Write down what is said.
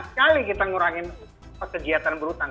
sekali kita ngurangin kegiatan berhutang